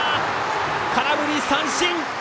空振り三振！